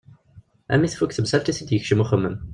Alammi i tfuk temsalt i t-id-yekcem uxemmem.